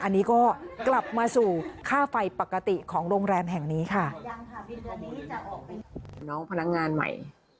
อันนี้ก็กลับมาสู่ค่าไฟปกติของโรงแรมแห่งนี้ค่ะ